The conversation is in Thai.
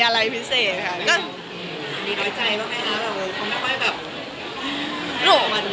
ไม่ได้มีร้อยใจมากแบบนั้นคงไม่มีเรากลัวมาทุกครั้ง